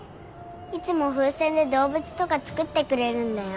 いつも風船で動物とか作ってくれるんだよ。